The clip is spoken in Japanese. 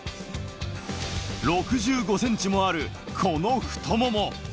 ６５ｃｍもあるこの太もも。